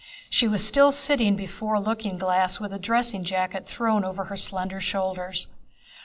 She was still sitting before a looking glass with a dressing jacket thrown over her slender shoulders.